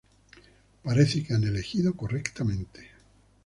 Parece que han elegido correctamente.